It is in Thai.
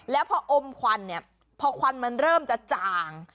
แล้วพออมควันเนี่ยพอควันมันเริ่มจะจ่าง